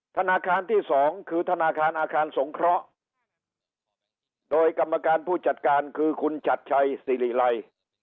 ธนาคารที่สองคือธนาคารอาคารสงเคราะห์โดยกรรมการผู้จัดการคือคุณชัดชัยสิริไล